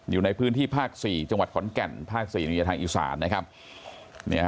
อยู่ในพื้นที่ภาค๔จังหวัดขอนแก่นภาค๔อีสาน